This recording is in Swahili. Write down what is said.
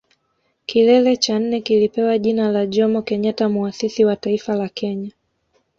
Kilele cha nne kilipewa jina la Jomo Kenyatta Muasisi wa Taifa la Kenya